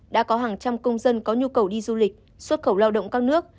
đã có hàng trăm công dân có nhu cầu đi du lịch xuất khẩu lao động các nước